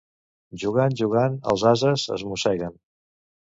Jugant, jugant, els ases es mosseguen.